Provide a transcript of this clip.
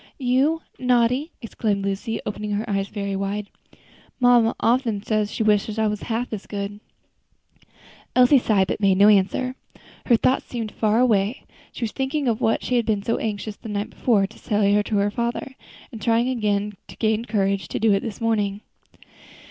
"You naughty!" exclaimed Lucy, opening her eyes very wide. "Mamma often says she wishes I was half as good." Elsie sighed, but made no answer. Her thoughts seemed far away. She was thinking of what she had been so anxious, the night before, to say to her father, and trying to gain courage to do it this morning.